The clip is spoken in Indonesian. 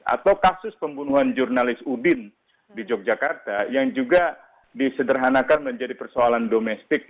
atau kasus pembunuhan jurnalis udin di yogyakarta yang juga disederhanakan menjadi persoalan domestik